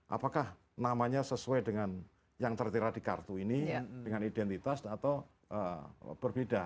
apakah namanya sesuai dengan yang tertera di kartu ini dengan identitas atau berbeda